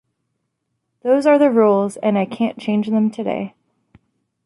Those are the rules and I can't change them today.